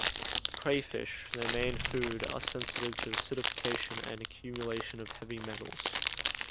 Crayfish, their main food, are sensitive to acidification and accumulation of heavy metals.